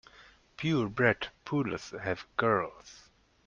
Pure bred poodles have curls.